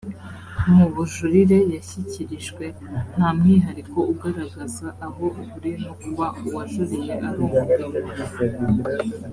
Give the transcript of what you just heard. mu bujurire yashyikirijwe nta mwihariko ugaragaza aho uhuriye no kuba uwajuriye ari umugabo